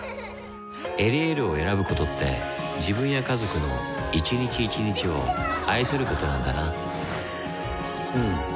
「エリエール」を選ぶことって自分や家族の一日一日を愛することなんだなうん。